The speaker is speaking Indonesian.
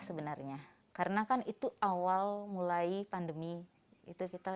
tetapi untuk indikator